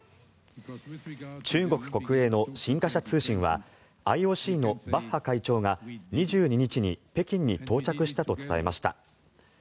中国国営の新華社通信はＩＯＣのバッハ会長が２２日に北京に到着したと伝えました。